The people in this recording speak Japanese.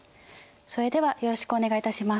それではよろしくお願いいたします。